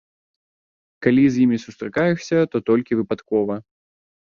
Калі з імі і сустракаешся, то толькі выпадкова.